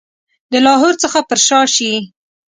د لاهور څخه پر شا شي.